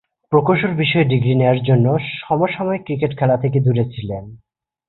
প্রকৌশল বিষয়ে ডিগ্রি নেয়ার জন্যে সাময়িকভাবে ক্রিকেট খেলা থেকে দূরে ছিলেন।